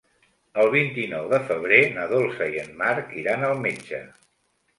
El vint-i-nou de febrer na Dolça i en Marc iran al metge.